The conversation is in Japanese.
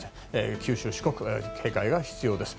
九州、四国、警戒が必要です。